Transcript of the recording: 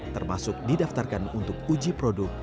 termasuk didaftarkan untuk uji produk